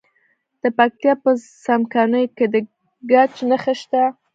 د پکتیا په څمکنیو کې د ګچ نښې شته.